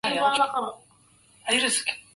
فضحت جودها بطول مطال